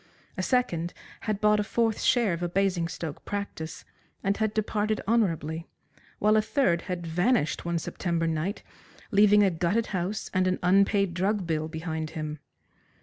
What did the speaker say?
A second had bought a fourth share of a Basingstoke practice, and had departed honourably, while a third had vanished one September night, leaving a gutted house and an unpaid drug bill behind him.